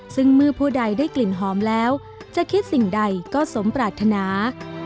ซึ่งเมื่อผู้ใดได้กลิ่นหอมแล้วจะคิดสิ่งใดก็สมปรารถนา